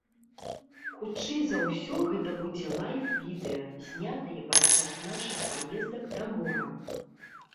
Хутчэй за ўсё, гэта будзе лайф-відэа, знятае падчас нашых паездак да мора.